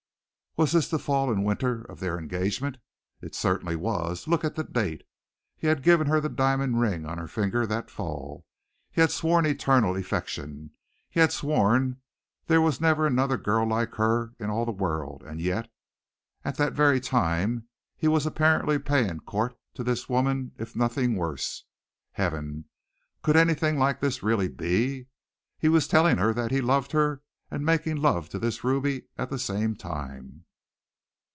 Was this the fall and winter of their engagement? It certainly was. Look at the date. He had given her the diamond ring on her finger that fall! He had sworn eternal affection! He had sworn there was never another girl like her in all the world and yet, at that very time, he was apparently paying court to this woman if nothing worse. Heaven! Could anything like this really be? He was telling her that he loved her and making love to this Ruby at the same time.